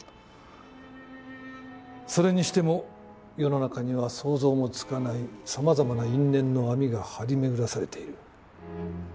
それにしても世の中には想像もつかない様々な因縁の網が張り巡らされている。